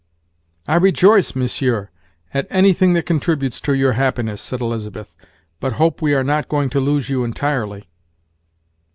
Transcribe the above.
"I rejoice, monsieur, at anything that contributes to your happiness," said Elizabeth, "but hope we are not going to lose you entirely."